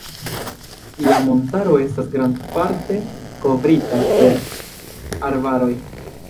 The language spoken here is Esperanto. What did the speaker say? La montaro estas grandparte kovrita per arbaroj.